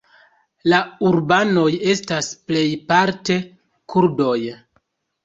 La urbanoj estas plejparte kurdoj.